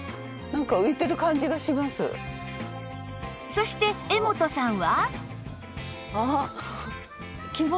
そして絵元さんは？